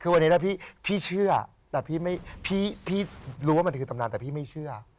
คือวันนี้นะพี่เชื่อแต่พี่รู้ว่ามันคือตำนานแต่พี่ไม่เชื่อ